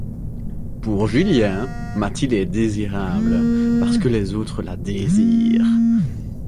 Pour Julien, Mathilde est désirable parce que les autres la désirent.